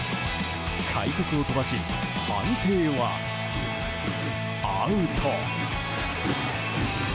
快足を飛ばし、判定はアウト。